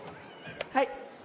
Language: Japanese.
はい。